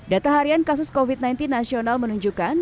data harian kasus covid sembilan belas nasional menunjukkan